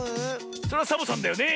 そりゃサボさんだよね！